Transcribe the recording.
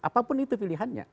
apapun itu pilihannya